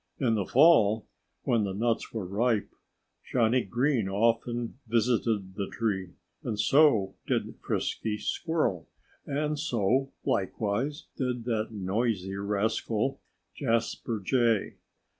In the fall, when the nuts were ripe, Johnnie Green often visited the tree. And so did Frisky Squirrel. And so, likewise, did that noisy rascal, Jasper Jay.